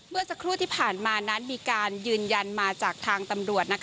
เมื่อสักครู่ที่ผ่านมานั้นมีการยืนยันมาจากทางตำรวจ